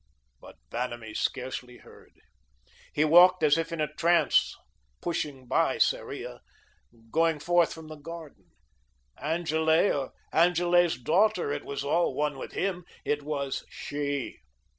But Vanamee scarcely heard. He walked as if in a trance, pushing by Sarria, going forth from the garden. Angele or Angele's daughter, it was all one with him. It was She.